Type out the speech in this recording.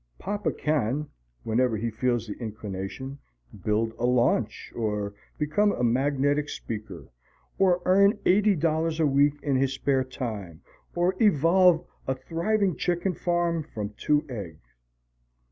Papa can, whenever he feels the inclination, build a launch, or become a magnetic speaker, or earn eighty dollars a week in his spare time, or evolve a thriving chicken farm from two eggs.